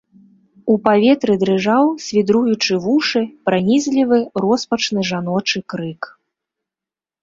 У паветры дрыжаў, свідруючы вушы, пранізлівы, роспачны жаночы крык.